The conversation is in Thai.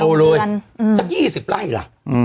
อืม